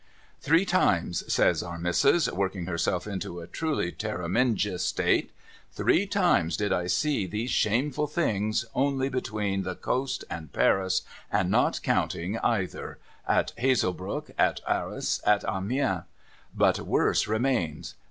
'Three times,' said Our Missis, working herself into a truly terrimenjious state, —' three times did I see these shameful things, only between the coast and Paris, and not counting either : at Hazebroucke, at Arras, at Amiens. But worse remains.